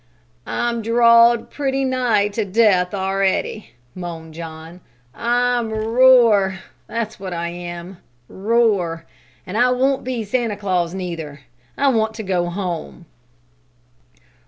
"I'm drawed pretty nigh to death a'ready," moaned John. "I'm rore, that's what I am, rore! An' I won't be Santa Claus neither. I want to go home."